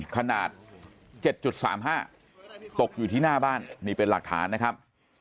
ขนาด๗๓๕ตกอยู่ที่หน้าบ้านนี่เป็นหลักฐานนะครับ